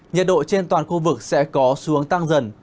nhiệt độ trên toàn khu vực sẽ có xu hướng tăng dần